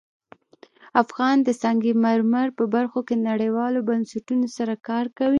افغانستان د سنگ مرمر په برخه کې نړیوالو بنسټونو سره کار کوي.